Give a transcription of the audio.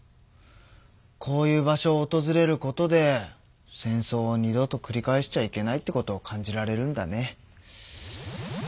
こういう場所をおとずれることで戦争を二度とくり返しちゃいけないってことを感じられるんだね。